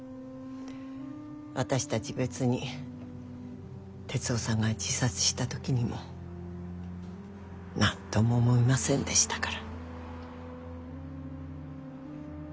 私たち別に徹生さんが自殺した時にも何とも思いませんでしたから。